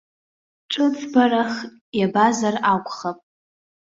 Ҿыцбарах иабазар акәхап.